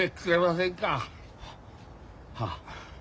はあ。